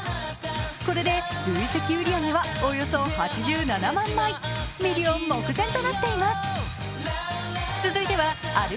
これで累積売り上げはおよそ８７万枚ミリオン目前となっています。